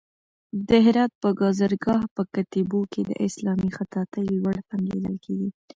د هرات د گازرګاه په کتيبو کې د اسلامي خطاطۍ لوړ فن لیدل کېږي.